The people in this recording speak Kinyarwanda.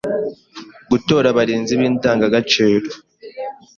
Gutora abarinzi b’Indangagaciro;